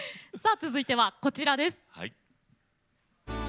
続いてはこちらです。